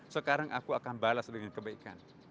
sekarang aku akan balas dengan kebaikan